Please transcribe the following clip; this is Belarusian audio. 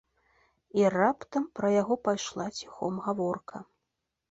І раптам пра яго пайшла ціхом гаворка.